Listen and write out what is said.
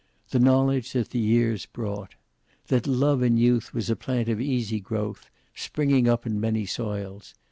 The knowledge that the years brought. That love in youth was a plant of easy growth, springing up in many soils.